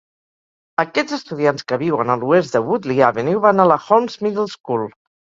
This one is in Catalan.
Aquests estudiants que viuen a l'oest de Woodley Avenue van a la Holmes Middle School.